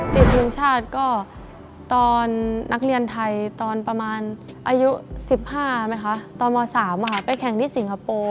ติดทีมชาติก็ตอนนักเรียนไทยตอนประมาณอายุ๑๕ไหมคะตอนม๓ไปแข่งที่สิงคโปร์